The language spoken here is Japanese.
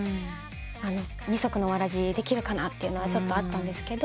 二足のわらじできるかなというのはあったんですけど